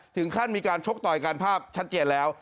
ถึงขั้นมีการชกต่อยกันภาพชัดเจนแล้ว